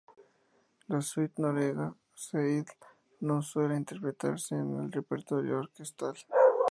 La Suite noruega de Seidl no suele interpretarse en el repertorio orquestal.